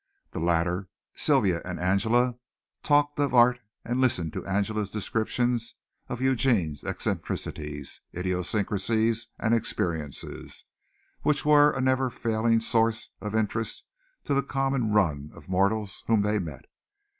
The latter, Sylvia and Angela, talked of art and listened to Angela's descriptions of Eugene's eccentricities, idiosyncrasies and experiences, which were a never failing source of interest to the common run of mortals whom they met.